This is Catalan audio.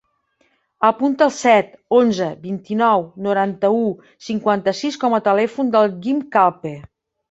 Apunta el set, onze, vint-i-nou, noranta-u, cinquanta-sis com a telèfon del Guim Calpe.